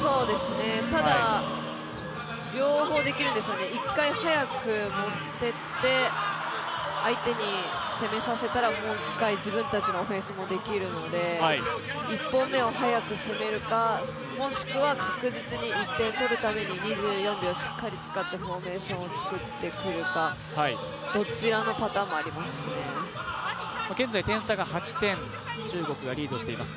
ただ、両方できるんですよね１回早く持っていって相手に攻めさせたらもう一回自分たちのオフェンスもできるので１本目を速く攻めるか、もしくは確実に１点取るために２４秒しっかり使ってフォーメーションを作ってくるか現在点差が８点、中国がリードしています。